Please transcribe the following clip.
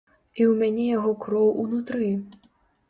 І ў мяне яго кроў унутры.